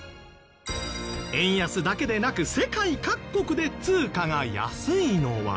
円安だけでなく世界各国で通貨が安いのは。